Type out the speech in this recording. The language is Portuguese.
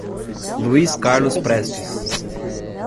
Luiz Carlos Prestes